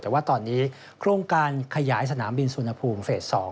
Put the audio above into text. แต่ว่าตอนนี้โครงการขยายสนามบินสุนภูมิเฟส๒